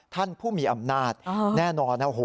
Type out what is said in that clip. ท่านผู้มีอำนาจแน่นอน